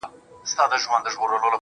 خو زۀ هغه نۀ یم